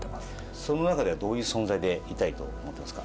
その中でどういう存在でいたいと思っていますか？